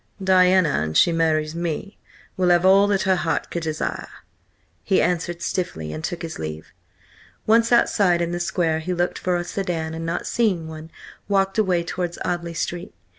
"Diana, an she marries me, will have all that her heart could desire," he answered stiffly, and took his leave. Once outside in the square he looked for a sedan, and not seeing one, walked away towards Audley Street.